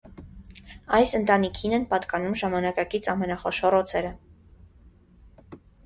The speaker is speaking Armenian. Այս ընտանիքին են պատկանում ժամանակակից ամենախոշոր օձերը։